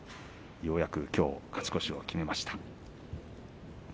ようやくきょう勝ち越しを決めました。